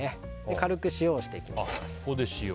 軽く塩をしていきます。